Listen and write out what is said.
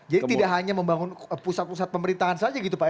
jadi tidak hanya membangun pusat pusat pemerintahan saja gitu pak ya